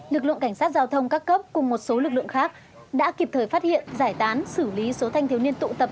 lực lượng cảnh sát giao thông các cấp cùng một số lực lượng khác đã kịp thời phát hiện giải tán xử lý số thanh thiếu niên tụ tập